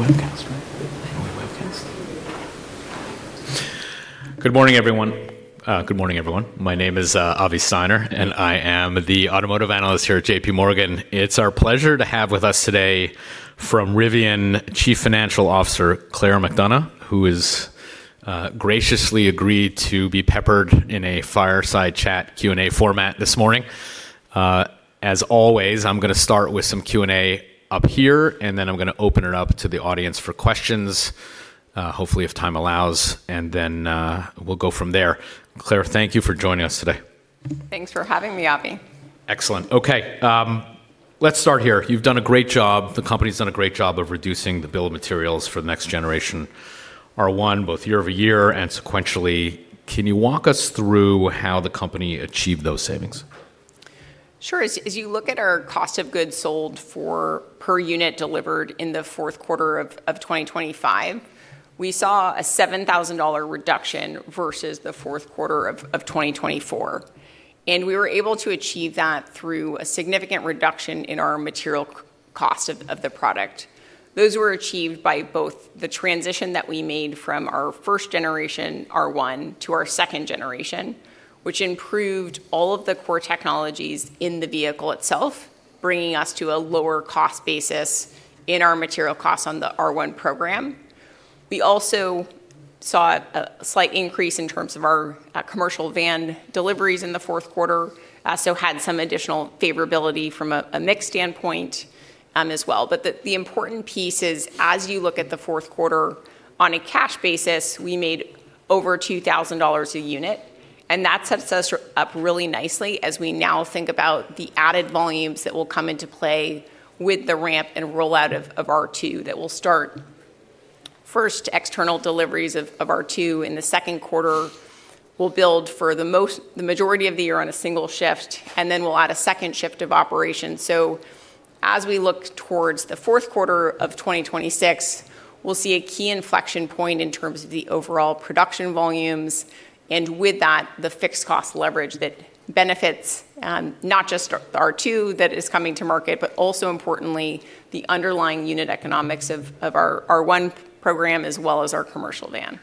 We're webcasting. I know we're webcasting. Good morning, everyone. Good morning, everyone. My name is Avi Steiner, and I am the automotive analyst here at JPMorgan. It's our pleasure to have with us today from Rivian, Chief Financial Officer, Claire McDonough, who has graciously agreed to be peppered in a fireside chat Q&A format this morning. As always, I'm gonna start with some Q&A up here, and then I'm gonna open it up to the audience for questions, hopefully if time allows, and then we'll go from there. Claire, thank you for joining us today. Thanks for having me, Avi. Excellent. Okay. Let's start here. You've done a great job, the company's done a great job of reducing the bill of materials for the next-generation R1, both year-over-year and sequentially. Can you walk us through how the company achieved those savings? Sure. As you look at our cost of goods sold for per unit delivered in the fourth quarter of 2025, we saw a $7,000 reduction versus the fourth quarter of 2024. We were able to achieve that through a significant reduction in our material cost of the product. Those were achieved by both the transition that we made from our first-generation R1 to our second-generation, which improved all of the core technologies in the vehicle itself, bringing us to a lower cost basis in our material costs on the R1 program. We also saw a slight increase in terms of our Commercial Van deliveries in the fourth quarter, so had some additional favorability from a mix standpoint as well. The important piece is as you look at the fourth quarter on a cash basis, we made over $2,000 a unit. That sets us up really nicely as we now think about the added volumes that will come into play with the ramp and rollout of R2 that will start first external deliveries of R2 in the second quarter. We'll build for the majority of the year on a single shift. Then we'll add a second shift of operations. As we look towards the fourth quarter of 2026, we'll see a key inflection point in terms of the overall production volumes. With that, the fixed cost leverage that benefits not just R2 that is coming to market, but also importantly, the underlying unit economics of our R1 program as well as our Commercial Van.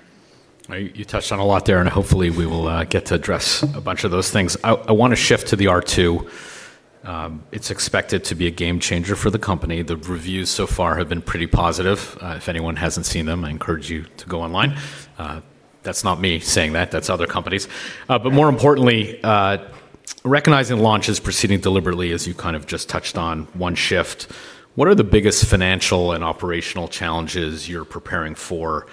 You touched on a lot there, hopefully we will get to address a bunch of those things. I wanna shift to the R2. It's expected to be a game changer for the company. The reviews so far have been pretty positive. If anyone hasn't seen them, I encourage you to go online. That's not me saying that. That's other companies. More importantly, recognizing launch is proceeding deliberately as you kind of just touched on one shift, what are the biggest financial and operational challenges you're preparing for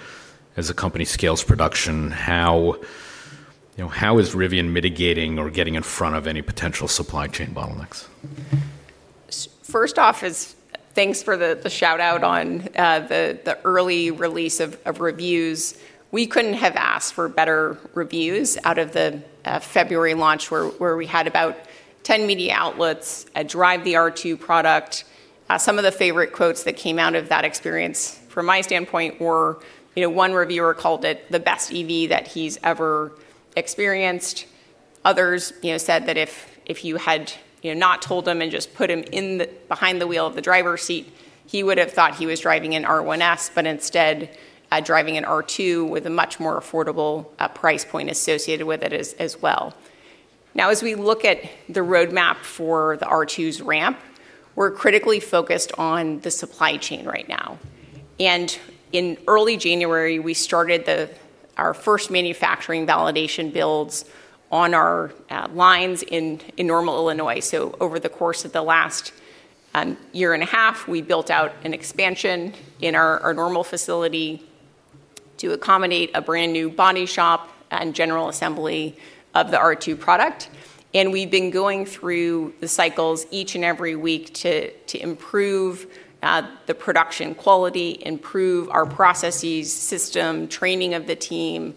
as the company scales production? How, you know, is Rivian mitigating or getting in front of any potential supply chain bottlenecks? First off is thanks for the shout-out on the early release of reviews. We couldn't have asked for better reviews out of the February launch where we had about 10 media outlets drive the R2 product. Some of the favorite quotes that came out of that experience from my standpoint were, you know, one reviewer called it the best EV that he's ever experienced. Others, you know, said that if you had, you know, not told him and just put him behind the wheel of the driver's seat, he would have thought he was driving an R1S, but instead, driving an R2 with a much more affordable price point associated with it as well. As we look at the roadmap for the R2's ramp, we're critically focused on the supply chain right now. In early January, we started our first manufacturing validation builds on our lines in Normal, Illinois. Over the course of the last year and a half, we built out an expansion in our Normal facility to accommodate a brand-new body shop and general assembly of the R2 product. We've been going through the cycles each and every week to improve the production quality, improve our processes, system, training of the team.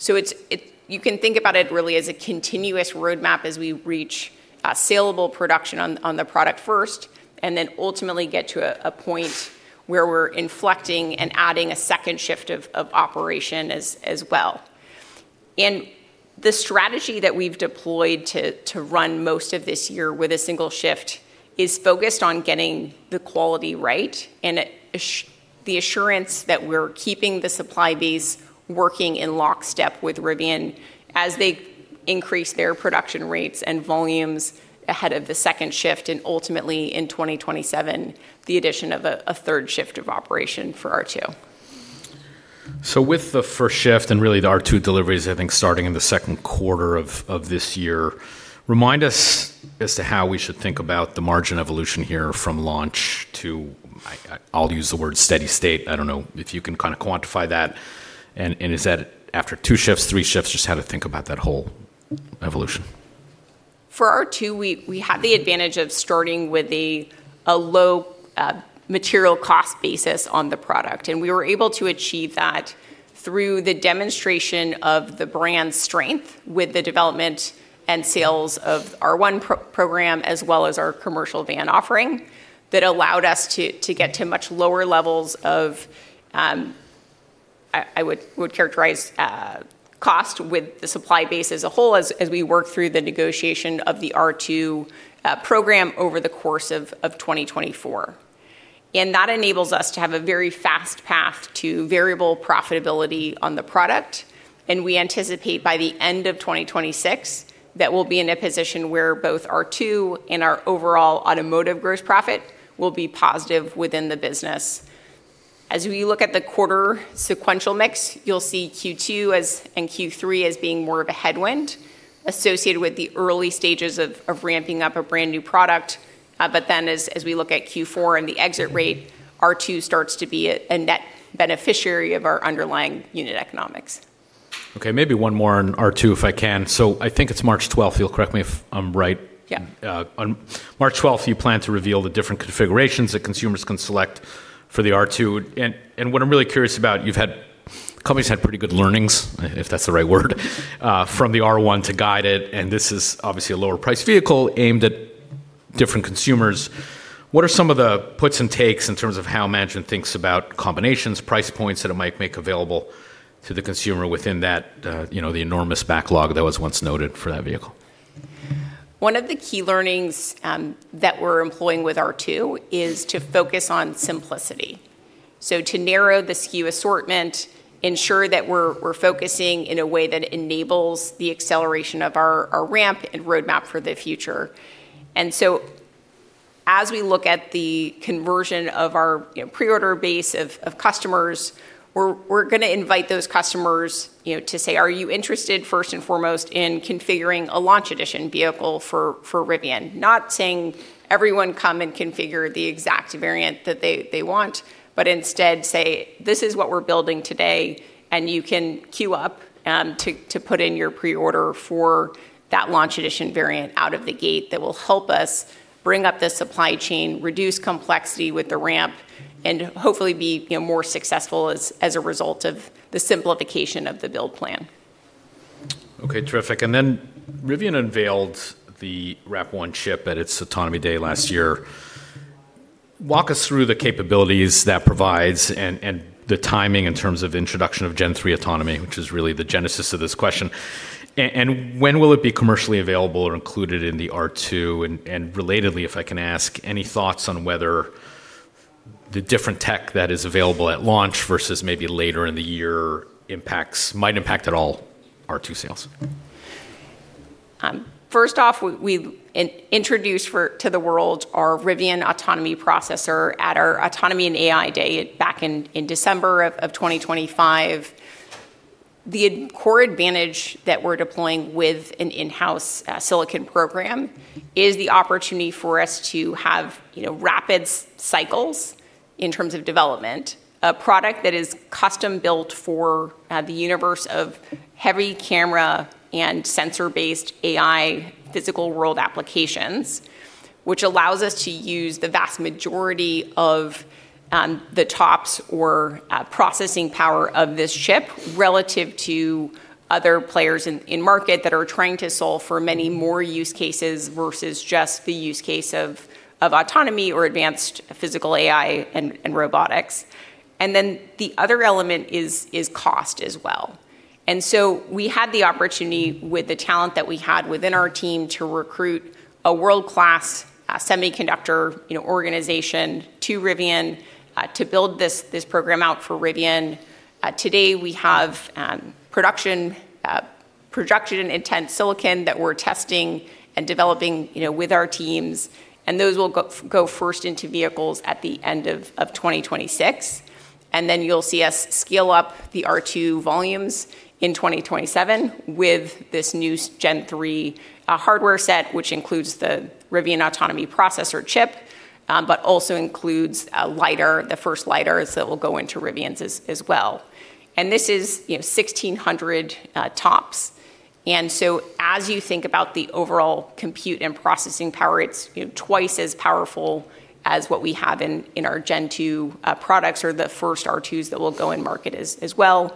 It's you can think about it really as a continuous roadmap as we reach saleable production on the product first, then ultimately get to a point where we're inflecting and adding a second shift of operation as well. The strategy that we've deployed to run most of this year with a single shift is focused on getting the quality right and as the assurance that we're keeping the supply base working in lockstep with Rivian as they increase their production rates and volumes ahead of the second shift and ultimately in 2027, the addition of a third shift of operation for R2. With the first shift and really the R2 deliveries, I think, starting in the second quarter of this year, remind us as to how we should think about the margin evolution here from launch to, I'll use the word steady state. I don't know if you can kind of quantify that. Is that after two shifts, three shifts, just how to think about that whole evolution? For R2, we had the advantage of starting with a low material cost basis on the product. We were able to achieve that through the demonstration of the brand strength with the development and sales of R1 program as well as our Commercial Van offering that allowed us to get to much lower levels of I would characterize cost with the supply base as a whole as we work through the negotiation of the R2 program over the course of 2024. That enables us to have a very fast path to variable profitability on the product. We anticipate by the end of 2026 that we'll be in a position where both R2 and our overall automotive gross profit will be positive within the business. We look at the quarter-sequential mix, you'll see Q2 and Q3 as being more of a headwind associated with the early stages of ramping up a brand-new product. As we look at Q4 and the exit rate, R2 starts to be a net beneficiary of our underlying unit economics. Okay, maybe one more on R2, if I can. I think it's March 12th, you'll correct me if I'm right. Yeah. On March 12th, you plan to reveal the different configurations that consumers can select for the R2. What I'm really curious about, company's had pretty good learnings, if that's the right word, from the R1 to guide it, and this is obviously a lower-priced vehicle aimed at different consumers. What are some of the puts and takes in terms of how management thinks about combinations, price points that it might make available to the consumer within that, you know, the enormous backlog that was once noted for that vehicle? One of the key learnings, that we're employing with R2 is to focus on simplicity. To narrow the SKU assortment, ensure that we're focusing in a way that enables the acceleration of our ramp and roadmap for the future. As we look at the conversion of our, you know, pre-order base of customers, we're gonna invite those customers, you know, to say, "Are you interested first and foremost in configuring a Launch Edition vehicle for Rivian?" Not saying everyone come and configure the exact variant that they want, but instead say, "This is what we're building today, and you can queue up to put in your pre-order for that Launch Edition variant out of the gate that will help us bring up the supply chain, reduce complexity with the ramp, and hopefully be, you know, more successful as a result of the simplification of the build plan. Okay, terrific. Then Rivian unveiled the RAP1 chip at its Autonomy Day last year. Walk us through the capabilities that provides and the timing in terms of introduction of Gen 3 autonomy, which is really the genesis of this question? When will it be commercially available or included in the R2? Relatedly, if I can ask, any thoughts on whether the different tech that is available at launch versus maybe later in the year might impact at all R2 sales? First off, we introduced to the world our Rivian Autonomy Platform at our Autonomy & AI Day back in December of 2025. The core advantage that we're deploying with an in-house silicon program is the opportunity for us to have, you know, rapid cycles in terms of development. A product that is custom-built for the universe of heavy camera- and sensor-based AI physical world applications, which allows us to use the vast majority of the TOPS or processing power of this chip relative to other players in market that are trying to solve for many more use cases versus just the use case of autonomy or advanced physical AI and robotics. The other element is cost as well. We had the opportunity with the talent that we had within our team to recruit a world-class, semiconductor, you know, organization to Rivian to build this program out for Rivian. Today, we have production-intent silicon that we're testing and developing, you know, with our teams, and those will go first into vehicles at the end of 2026. You'll see us scale up the R2 volumes in 2027 with this new Gen 3 hardware set, which includes the Rivian Autonomy Platform chip, but also includes a LiDAR, the first LiDARs that will go into Rivians as well. This is, you know, 1,600 TOPS. As you think about the overall compute and processing power, it's, you know, twice as powerful as what we have in our Gen 2 products or the first R2s that will go in market as well.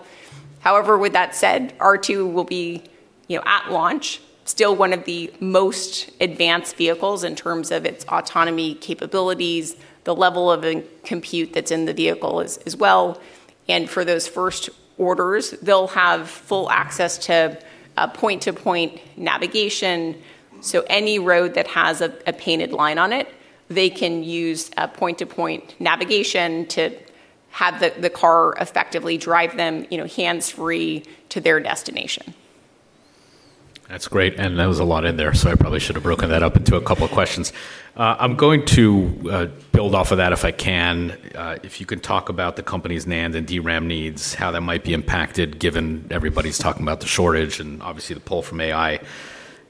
However, with that said, R2 will be, you know, at launch, still one of the most advanced vehicles in terms of its autonomy capabilities, the level of the compute that's in the vehicle as well. For those first orders, they'll have full access to point-to-point navigation. So any road that has a painted line on it, they can use point-to-point navigation to have the car effectively drive them, you know, hands-free to their destination. That's great. There was a lot in there, so I probably should have broken that up into a couple of questions. I'm going to build off of that if I can. If you could talk about the company's NAND and DRAM needs, how that might be impacted given everybody's talking about the shortage and obviously the pull from AI.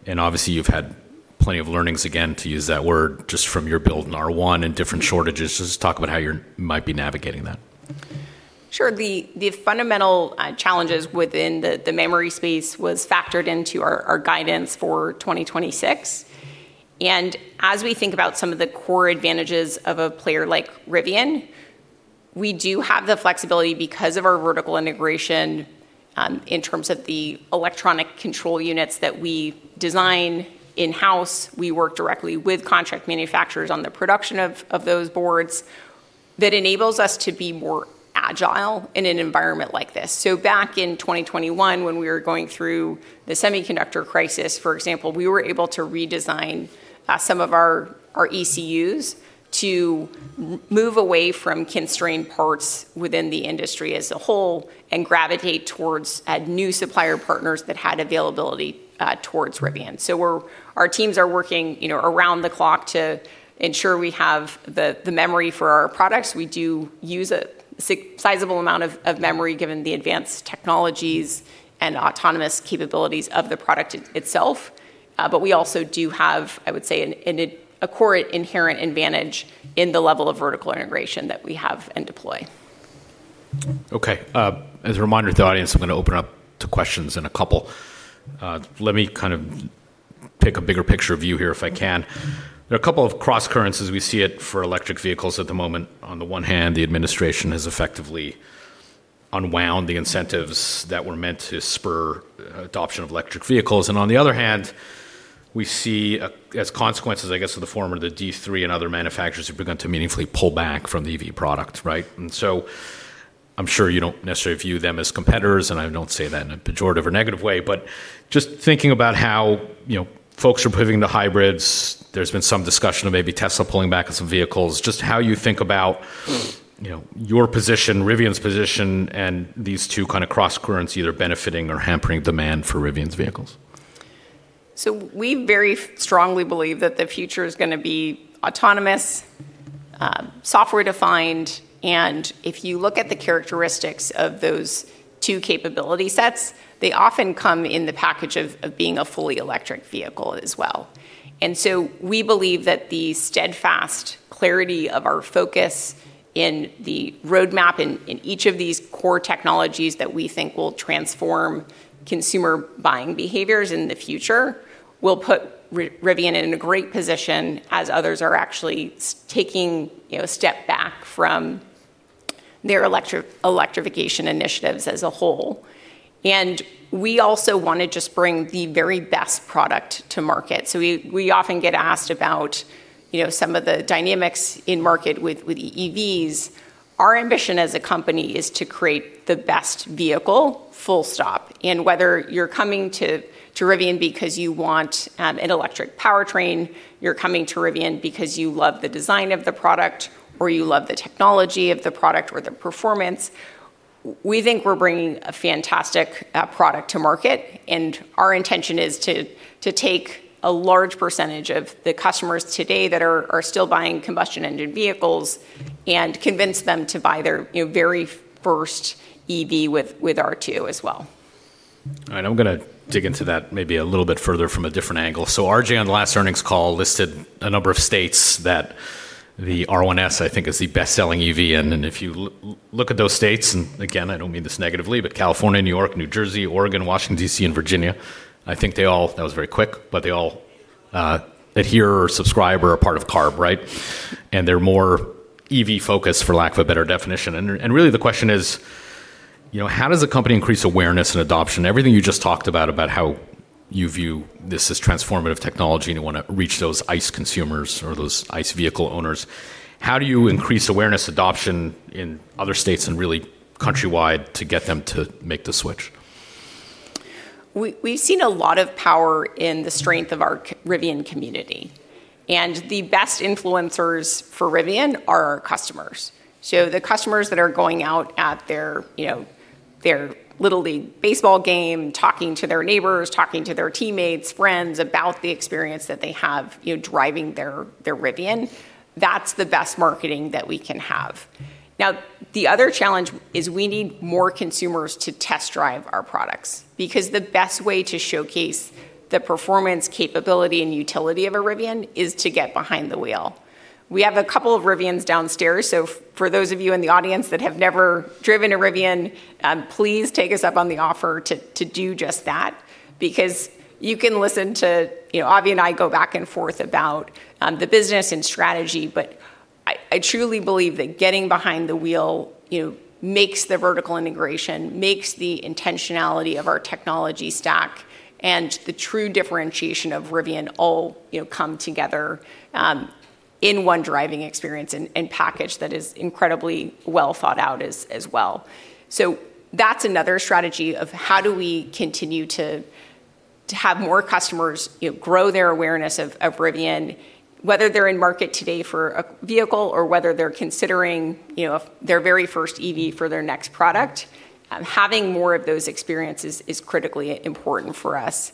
Obviously you've had plenty of learnings, again, to use that word, just from your build in R1 and different shortages. Just talk about how you might be navigating that. Sure. The fundamental challenges within the memory space was factored into our guidance for 2026. As we think about some of the core advantages of a player like Rivian, we do have the flexibility because of our vertical integration. In terms of the electronic control units that we design in-house, we work directly with contract manufacturers on the production of those boards that enables us to be more agile in an environment like this. Back in 2021 when we were going through the semiconductor crisis, for example, we were able to redesign some of our ECUs to move away from constrained parts within the industry as a whole and gravitate towards new supplier partners that had availability towards Rivian. Our teams are working, you know, around the clock to ensure we have the memory for our products. We do use a sizable amount of memory given the advanced technologies and autonomous capabilities of the product itself. But we also do have, I would say, a core inherent advantage in the level of vertical integration that we have and deploy. Okay. As a reminder to the audience, I'm gonna open up to questions in a couple. Let me kind of take a bigger picture view here if I can. Mm-hmm. There are a couple of crosscurrents as we see it for electric vehicles at the moment. On the one hand, the administration has effectively unwound the incentives that were meant to spur adoption of electric vehicles. On the other hand, we see as consequences, I guess, to the former, the D3 and other manufacturers have begun to meaningfully pull back from the EV product, right? I'm sure you don't necessarily view them as competitors, and I don't say that in a pejorative or negative way, but just thinking about how, you know, folks are moving to hybrids. There's been some discussion of maybe Tesla pulling back on some vehicles. Just how you think about, you know, your position, Rivian's position, and these two kind of crosscurrents either benefiting or hampering demand for Rivian's vehicles? We very strongly believe that the future is gonna be autonomous, software-defined. If you look at the characteristics of those two capability sets, they often come in the package of being a fully electric vehicle as well. We believe that the steadfast clarity of our focus in the roadmap in each of these core technologies that we think will transform consumer buying behaviors in the future will put Rivian in a great position as others are actually taking, you know, a step back from their electrification initiatives as a whole. We also wanna just bring the very best product to market. We often get asked about, you know, some of the dynamics in market with EVs. Our ambition as a company is to create the best vehicle, full stop. Whether you're coming to Rivian because you want an electric powertrain, you're coming to Rivian because you love the design of the product, or you love the technology of the product or the performance, we think we're bringing a fantastic product to market, and our intention is to take a large percentage of the customers today that are still buying combustion engine vehicles and convince them to buy their, you know, very first EV with R2 as well. All right. I'm gonna dig into that maybe a little bit further from a different angle. RJ on the last earnings call listed a number of states that the R1S, I think, is the best-selling EV in. If you look at those states, and again, I don't mean this negatively, but California, New York, New Jersey, Oregon, Washington, D.C., and Virginia, I think they all adhere or subscribe or are part of CARB, right? They're more EV-focused, for lack of a better definition. Really the question is, you know, how does a company increase awareness and adoption? Everything you just talked about how you view this as transformative technology and wanna reach those ICE consumers or those ICE vehicle owners, how do you increase awareness, adoption in other states and really countrywide to get them to make the switch? We've seen a lot of power in the strength of our Rivian community, the best influencers for Rivian are our customers. The customers that are going out at their, you know, their Little League baseball game, talking to their neighbors, talking to their teammates, friends about the experience that they have, you know, driving their Rivian, that's the best marketing that we can have. The other challenge is we need more consumers to test drive our products because the best way to showcase the performance, capability, and utility of a Rivian is to get behind the wheel. We have a couple of Rivians downstairs, for those of you in the audience that have never driven a Rivian, please take us up on the offer to do just that because you can listen to, you know, Avi and I go back and forth about the business and strategy. I truly believe that getting behind the wheel, you know, makes the vertical integration, makes the intentionality of our technology stack and the true differentiation of Rivian all, you know, come together in one driving experience and package that is incredibly well thought out as well. That's another strategy of how do we continue to have more customers, you know, grow their awareness of Rivian, whether they're in market today for a vehicle or whether they're considering, you know, their very first EV for their next product. Having more of those experiences is critically important for us.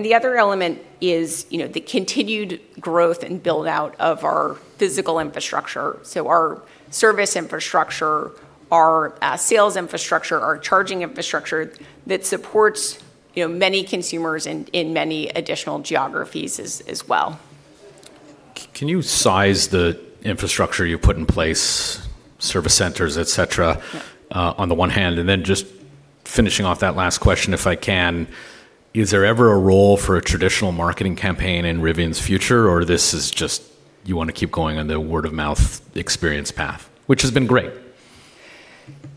The other element is, you know, the continued growth and build-out of our physical infrastructure, so our service infrastructure, our sales infrastructure, our charging infrastructure that supports, you know, many consumers in many additional geographies as well. Can you size the infrastructure you put in place, service centers, et cetera, on the one hand? Then just finishing off that last question, if I can? Is there ever a role for a traditional marketing campaign in Rivian's future, or this is just you wanna keep going on the word of mouth experience path, which has been great.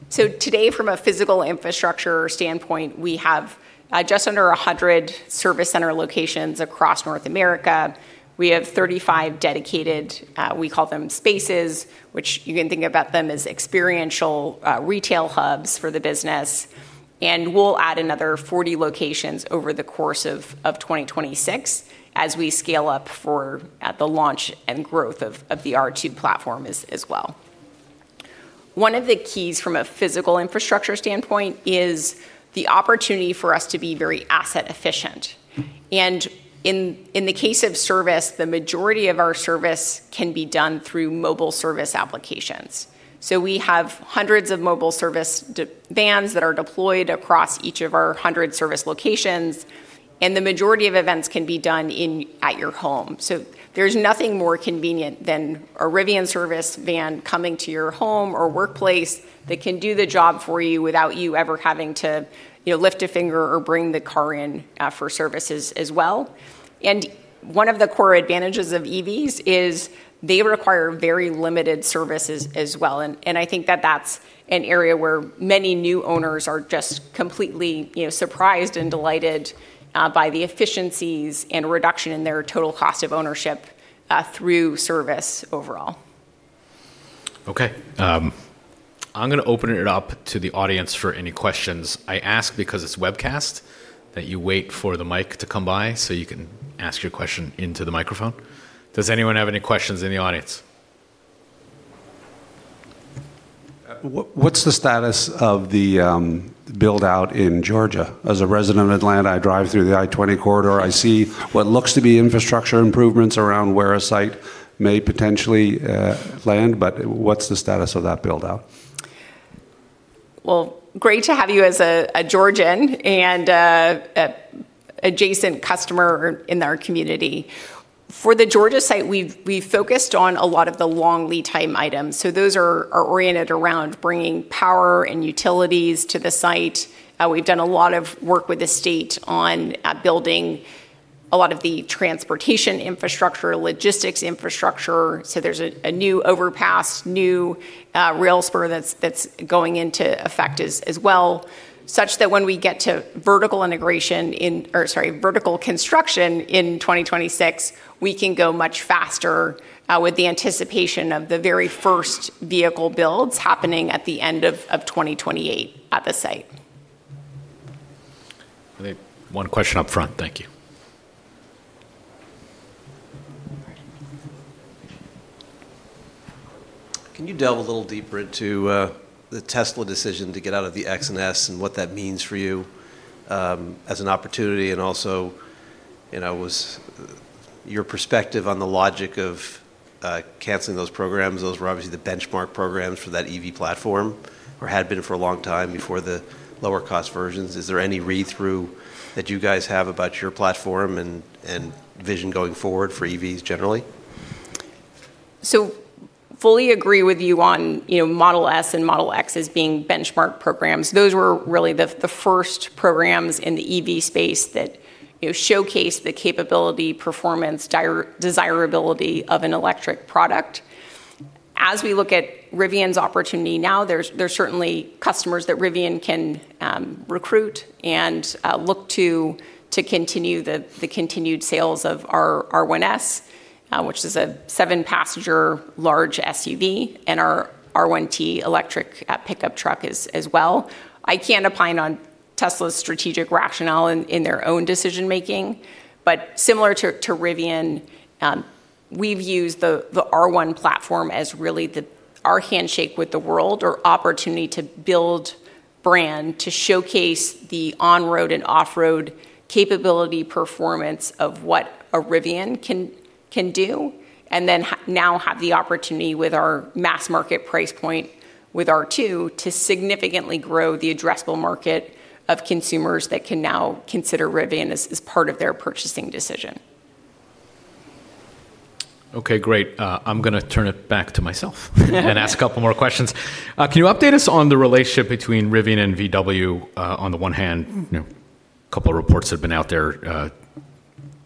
Today, from a physical infrastructure standpoint, we have just under 100 service center locations across North America. We have 35 dedicated, we call them Spaces, which you can think about them as experiential retail hubs for the business. We'll add another 40 locations over the course of 2026 as we scale up for the launch and growth of the R2 platform as well. One of the keys from a physical infrastructure standpoint is the opportunity for us to be very asset efficient. In the case of service, the majority of our service can be done through mobile service applications. We have hundreds of mobile service vans that are deployed across each of our 100 service locations, and the majority of events can be done at your home. There's nothing more convenient than a Rivian service van coming to your home or workplace that can do the job for you without you ever having to, you know, lift a finger or bring the car in for services as well. One of the core advantages of EVs is they require very limited services as well. I think that that's an area where many new owners are just completely, you know, surprised and delighted by the efficiencies and reduction in their total cost of ownership through service overall. Okay. I'm gonna open it up to the audience for any questions. I ask because it's webcast that you wait for the mic to come by so you can ask your question into the microphone. Does anyone have any questions in the audience? What's the status of the build-out in Georgia? As a resident of Atlanta, I drive through the I-20 corridor. I see what looks to be infrastructure improvements around where a site may potentially land. What's the status of that build-out? Well, great to have you as a Georgia and a adjacent customer in our community. For the Georgia site, we've focused on a lot of the long-lead-time items. Those are oriented around bringing power and utilities to the site. We've done a lot of work with the state on building a lot of the transportation infrastructure, logistics infrastructure. There's a new overpass, new rail spur that's going into effect as well, such that when we get to vertical construction in 2026, we can go much faster with the anticipation of the very first vehicle builds happening at the end of 2028 at the site. I think one question up front. Thank you. Can you delve a little deeper into the Tesla decision to get out of the X and S and what that means for you as an opportunity? Also, you know, was your perspective on the logic of canceling those programs? Those were obviously the benchmark programs for that EV platform or had been for a long time before the lower cost versions. Is there any read-through that you guys have about your platform and vision going forward for EVs generally? Fully agree with you on, you know, Model S and Model X as being benchmark programs. Those were really the first programs in the EV space that, you know, showcased the capability, performance, desirability of an electric product. As we look at Rivian's opportunity now, there's certainly customers that Rivian can recruit and look to continue the continued sales of our R1S, which is a seven-passenger large SUV, and our R1T electric pickup truck as well. I can't opine on Tesla's strategic rationale in their own decision-making. Similar to Rivian, we've used the R1 platform as really our handshake with the world or opportunity to build brand to showcase the on-road and off-road capability performance of what a Rivian can do, and then now have the opportunity with our mass-market price point with R2 to significantly grow the addressable market of consumers that can now consider Rivian as part of their purchasing decision. Okay, great. I'm gonna turn it back to myself and ask a couple more questions. Can you update us on the relationship between Rivian and VW on the one hand? Mm-hmm. You know, a couple of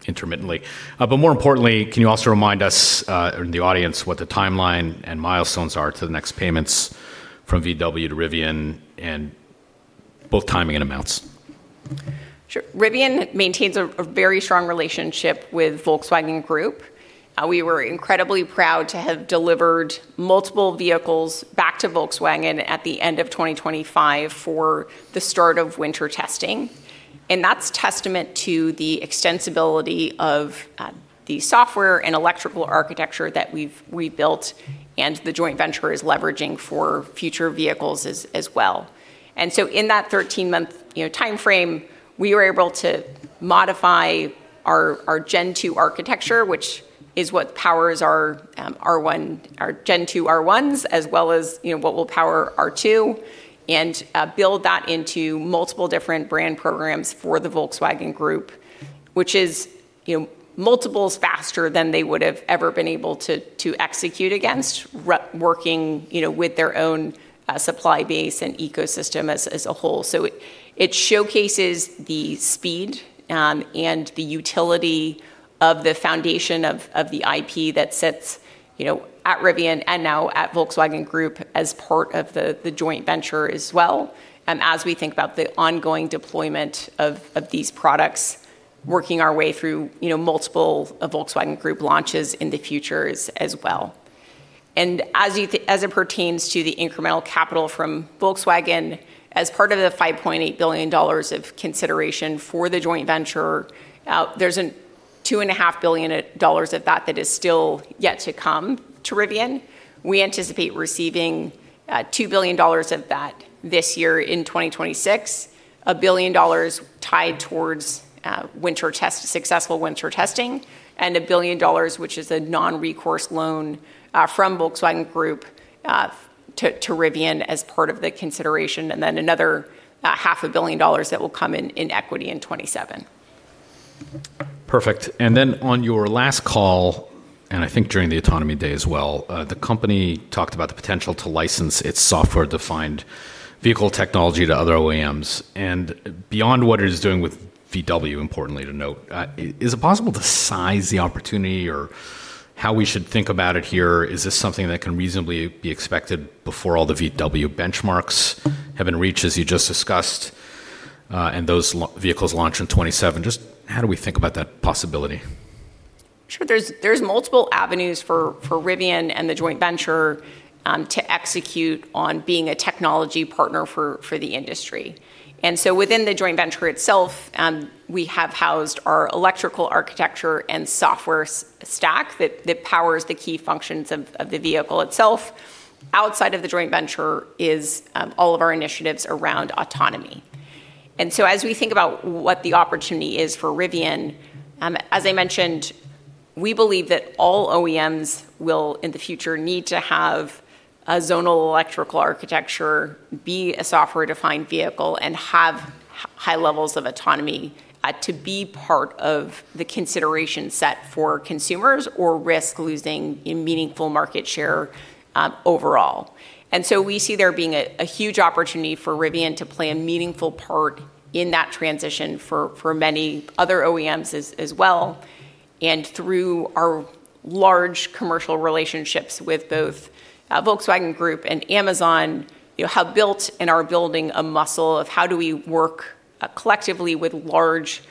reports have been out there, intermittently. More importantly, can you also remind us, and the audience what the timeline and milestones are to the next payments from VW to Rivian and both timing and amounts? Sure. Rivian maintains a very strong relationship with Volkswagen Group. We were incredibly proud to have delivered multiple vehicles back to Volkswagen at the end of 2025 for the start of winter testing. That's testament to the extensibility of the software and electrical architecture that we've rebuilt and the joint venture is leveraging for future vehicles as well. In that 13-month, you know, timeframe, we were able to modify our Gen 2 architecture, which is what powers our Gen 2 R1s, as well as, you know, what will power R2, and build that into multiple different brand programs for the Volkswagen Group, which is, you know, multiples faster than they would have ever been able to execute against working, you know, with their own supply base and ecosystem as a whole. It showcases the speed, and the utility of the foundation of the IP that sits, you know, at Rivian and now at Volkswagen Group as part of the joint venture as well, as we think about the ongoing deployment of these products working our way through, you know, multiple Volkswagen Group launches in the future as well. As you as it pertains to the incremental capital from Volkswagen, as part of the $5.8 billion of consideration for the joint venture, there's an $2.5 billion of that that is still yet to come to Rivian. We anticipate receiving, $2 billion of that this year in 2026, $1 billion tied towards successful winter testing, $1 billion, which is a non-recourse loan, from Volkswagen Group, to Rivian as part of the consideration, another $500 million that will come in in equity in 2027. Perfect. On your last call, and I think during the Autonomy Day as well, the company talked about the potential to license its software-defined vehicle technology to other OEMs. Beyond what it is doing with VW, importantly to note, is it possible to size the opportunity or how we should think about it here? Is this something that can reasonably be expected before all the VW benchmarks have been reached, as you just discussed, and those vehicles launch in 2027? Just how do we think about that possibility? Sure. There's multiple avenues for Rivian and the joint venture to execute on being a technology partner for the industry. Within the joint venture itself, we have housed our electrical architecture and software stack that powers the key functions of the vehicle itself. Outside of the joint venture is all of our initiatives around autonomy. As we think about what the opportunity is for Rivian, as I mentioned, we believe that all OEMs will, in the future, need to have a zonal electrical architecture, be a software-defined vehicle, and have high levels of autonomy to be part of the consideration set for consumers or risk losing in meaningful market share overall. We see there being a huge opportunity for Rivian to play a meaningful part in that transition for many other OEMs as well. Through our large commercial relationships with both Volkswagen Group and Amazon, you know, have built and are building a muscle of how do we work collectively with large,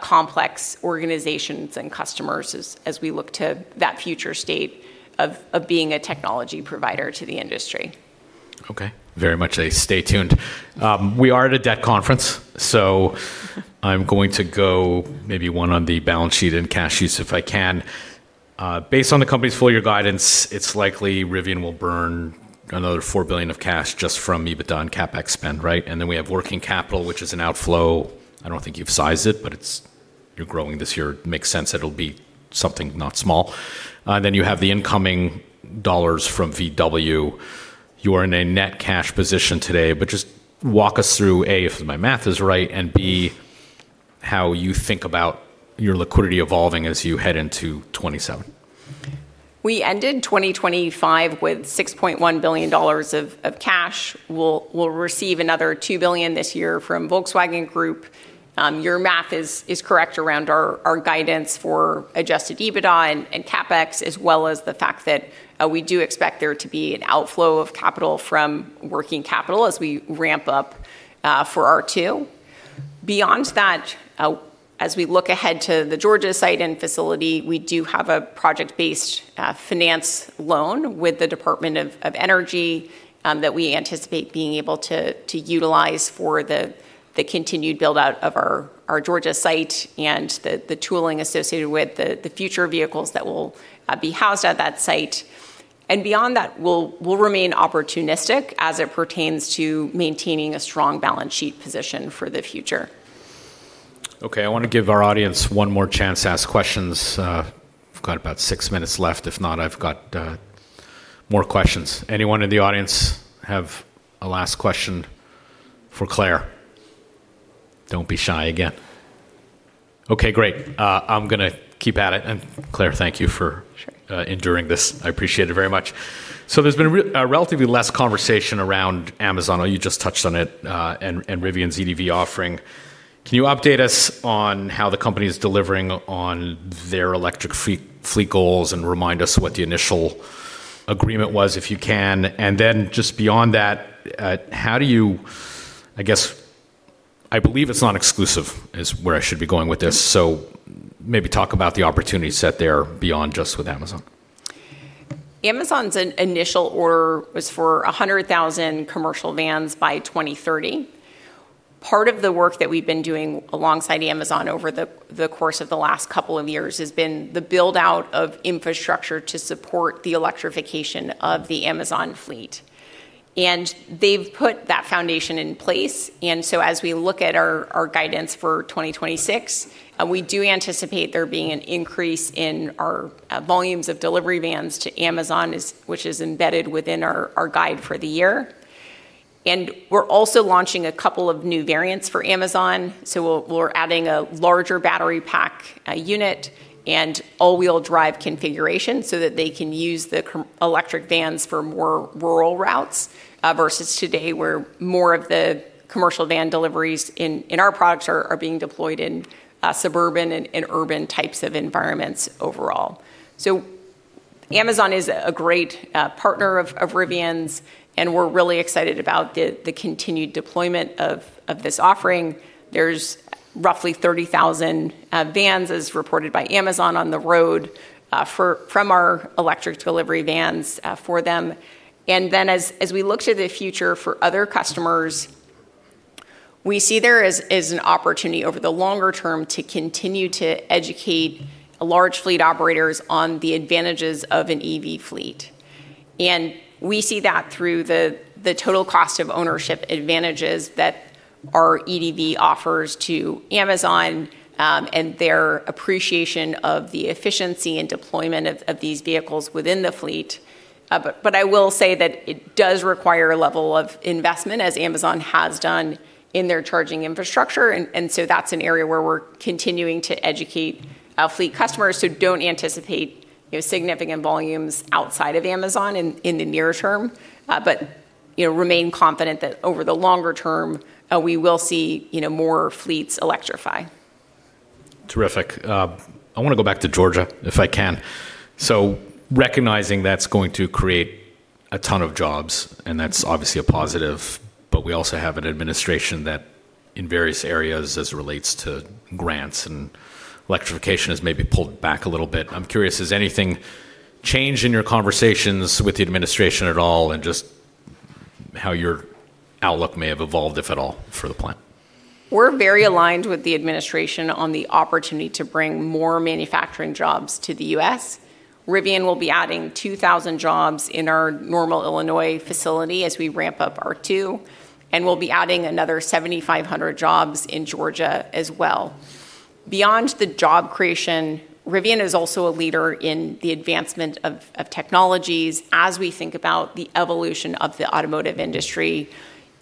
complex organizations and customers as we look to that future state of being a technology provider to the industry. Okay. Very much a stay tuned. We are at a debt conference, I'm going to go maybe one on the balance sheet and cash use if I can. Based on the company's full year guidance, it's likely Rivian will burn another $4 billion of cash just from EBITDA and CapEx spend, right? We have working capital, which is an outflow. I don't think you've sized it, but you're growing this year. It makes sense it'll be something not small. You have the incoming dollars from VW. You are in a net cash position today, just walk us through, A, if my math is right, and B, how you think about your liquidity evolving as you head into 2027. We ended 2025 with $6.1 billion of cash. We'll receive another $2 billion this year from Volkswagen Group. Your math is correct around our guidance for adjusted EBITDA and CapEx, as well as the fact that we do expect there to be an outflow of capital from working capital as we ramp up for R2. Beyond that, as we look ahead to the Georgia site and facility, we do have a project-based finance loan with the Department of Energy that we anticipate being able to utilize for the continued build-out of our Georgia site and the tooling associated with the future vehicles that will be housed at that site. Beyond that, we'll remain opportunistic as it pertains to maintaining a strong balance sheet position for the future. Okay. I want to give our audience one more chance to ask questions. We've got about six minutes left. If not, I've got more questions. Anyone in the audience have a last question for Claire? Don't be shy again. Okay, great. I'm gonna keep at it. Claire, thank you for- Sure. Enduring this. I appreciate it very much. There's been relatively less conversation around Amazon, although you just touched on it, and Rivian's EDV offering. Can you update us on how the company is delivering on their electric fleet goals and remind us what the initial agreement was, if you can? just beyond that, I guess, I believe it's not exclusive is where I should be going with this. Maybe talk about the opportunity set there beyond just with Amazon. Amazon's initial order was for 100,000 Commercial Vans by 2030. Part of the work that we've been doing alongside Amazon over the course of the last couple of years has been the build-out of infrastructure to support the electrification of the Amazon fleet. They've put that foundation in place. As we look at our guidance for 2026, we do anticipate there being an increase in our volumes of Delivery Vans to Amazon, which is embedded within our guide for the year. We're also launching a couple of new variants for Amazon. We're adding a larger battery pack unit and all-wheel-drive configuration so that they can use the Electric Vans for more rural routes versus today, where more of the Commercial Van deliveries in our products are being deployed in suburban and urban types of environments overall. Amazon is a great partner of Rivian's, and we're really excited about the continued deployment of this offering. There's roughly 30,000 vans, as reported by Amazon, on the road from our Electric Delivery Vans for them. As we look to the future for other customers, we see there is an opportunity over the longer term to continue to educate large fleet operators on the advantages of an EV fleet. We see that through the total cost of ownership advantages that our EDV offers to Amazon, and their appreciation of the efficiency and deployment of these vehicles within the fleet. I will say that it does require a level of investment, as Amazon has done in their charging infrastructure. That's an area where we're continuing to educate our fleet customers who don't anticipate, you know, significant volumes outside of Amazon in the near term. You know, remain confident that over the longer term, we will see, you know, more fleets electrify. Terrific. I wanna go back to Georgia, if I can. Recognizing that's going to create a ton of jobs, and that's obviously a positive, but we also have an administration that in various areas as it relates to grants and electrification has maybe pulled back a little bit. I'm curious, has anything changed in your conversations with the administration at all and just how your outlook may have evolved, if at all, for the plan? We're very aligned with the administration on the opportunity to bring more manufacturing jobs to the U.S. Rivian will be adding 2,000 jobs in our Normal, Illinois, facility as we ramp up R2, and we'll be adding another 7,500 jobs in Georgia as well. Beyond the job creation, Rivian is also a leader in the advancement of technologies as we think about the evolution of the automotive industry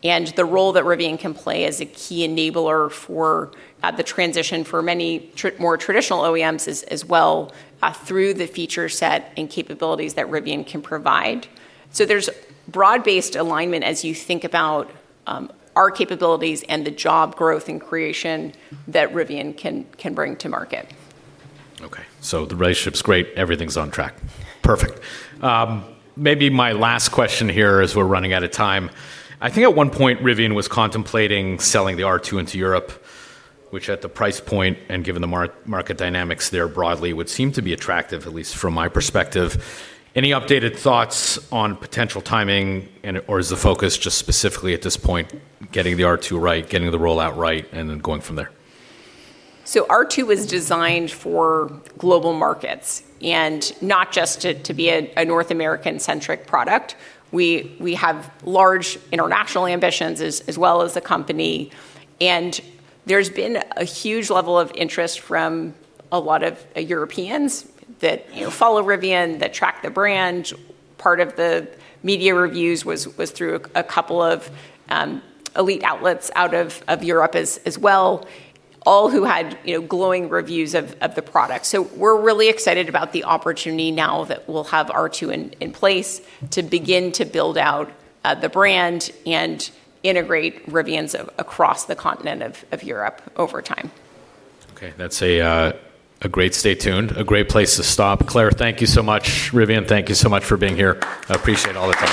and the role that Rivian can play as a key enabler for the transition for many more traditional OEMs as well, through the feature set and capabilities that Rivian can provide. There's broad-based alignment as you think about our capabilities and the job growth and creation that Rivian can bring to market. Okay. The relationship's great. Everything's on track. Perfect. Maybe my last question here, as we're running out of time. I think at one point Rivian was contemplating selling the R2 into Europe, which at the price point and given the market dynamics there broadly would seem to be attractive, at least from my perspective. Any updated thoughts on potential timing or is the focus just specifically at this point getting the R2 right, getting the rollout right, and then going from there? R2 was designed for global markets and not just to be a North American-centric product. We have large international ambitions as well as the company, and there's been a huge level of interest from a lot of Europeans that, you know, follow Rivian, that track the brand. Part of the media reviews was through a couple of elite outlets out of Europe as well, all who had, you know, glowing reviews of the product. We're really excited about the opportunity now that we'll have R2 in place to begin to build out the brand and integrate Rivians across the continent of Europe over time. Okay. That's a great stay tuned, a great place to stop. Claire, thank you so much. Rivian, thank you so much for being here. I appreciate all the time.